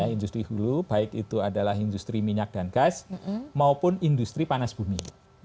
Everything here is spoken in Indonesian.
industri hulu baik itu adalah industri minyak dan gas maupun industri panas bumi